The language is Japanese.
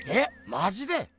マジで？